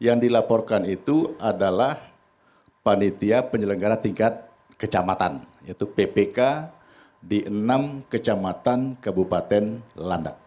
yang dilaporkan itu adalah panitia penyelenggara tingkat kecamatan yaitu ppk di enam kecamatan kabupaten landak